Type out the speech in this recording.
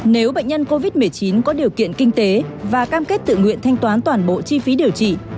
nếu bệnh nhân covid một mươi chín có điều kiện kinh tế và cam kết tự nguyện thanh toán toàn bộ chi phí điều trị